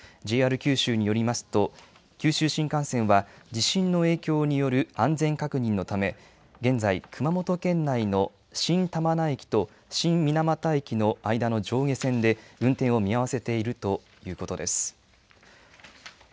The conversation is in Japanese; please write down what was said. ＪＲ九州によりますと、九州新幹線は、地震の影響による安全確認のため、現在、熊本県内の新玉名駅と新水俣駅の間の上下線で運転を見合わせているということです。